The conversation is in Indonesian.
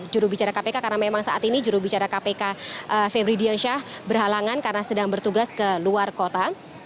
jurubicara kpk karena memang saat ini jurubicara kpk febri diansyah berhalangan karena sedang bertugas ke luar kota